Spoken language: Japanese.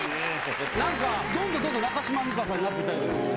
どんどんどんどん中島美嘉さんになっていったような。